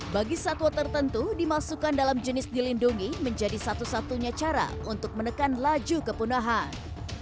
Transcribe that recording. bagi satwa tertentu dimasukkan dalam jenis dilindungi menjadi satu satunya cara untuk menekan laju kepunahan